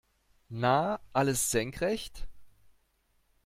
Na, alles senkrecht?